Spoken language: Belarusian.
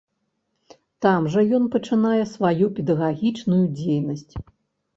Там жа ён пачынае сваю педагагічную дзейнасць.